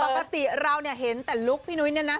ปกติเราเนี่ยเห็นแต่ลุคพี่นุ้ยเนี่ยนะ